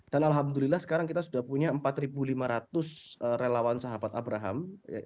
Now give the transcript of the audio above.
dan alhamdulillah sekarang kita sudah punya empat lima ratus relawan sahabat abraham